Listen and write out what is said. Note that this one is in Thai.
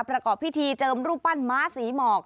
ประกอบพิธีเจิมรูปปั้นม้าศรีหมอก